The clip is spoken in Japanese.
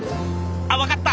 あっ分かった！